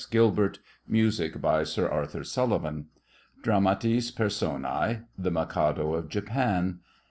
Gilbert Music by Sir Arthur Sullivan DRAMATIS PERSONAE. THE MIKADO OF JAPAN.